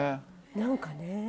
何かね。